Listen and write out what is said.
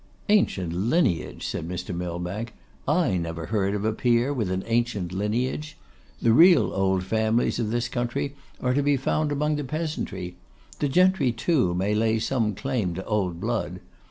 'Ancient lineage!' said Mr. Millbank; 'I never heard of a peer with an ancient lineage. The real old families of this country are to be found among the peasantry; the gentry, too, may lay some claim to old blood.